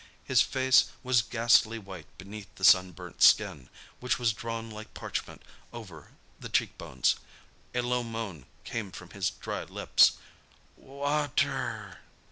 His face was ghastly white beneath the sunburnt skin, which was drawn like parchment over the cheekbones. A low moan came from his dry lips. "Water!"